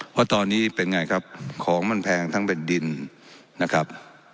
เพราะตอนนี้เป็นไงครับของมันแพงทั้งเป็นดินนะครับ